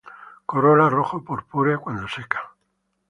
Corola rojo-purpúrea cuando seca.